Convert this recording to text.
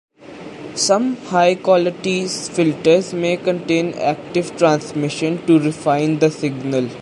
Some high-quality filters may contain active transistors to refine the signal.